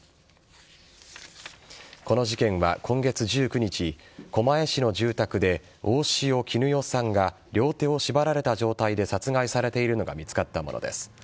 この事件は今月１９日狛江市の住宅で大塩衣与さんが両手を縛られた状態で殺害されているのが見つかったものです。